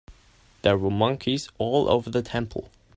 There were monkeys all over the temple.